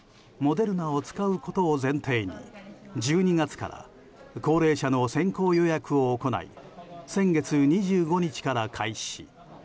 モデルナを使うことを前提に１２月から高齢者の先行予約を行い先月２５日から開始。